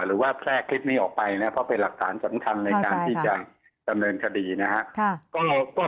หรือว่าแพร่คลิปนี้ออกไปนะเพราะเป็นหลักฐานสำคัญในการที่จะดำเนินคดีนะครับ